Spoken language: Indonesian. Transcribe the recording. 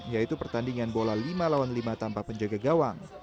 yaitu pertandingan bola lima lawan lima tanpa penjaga gawang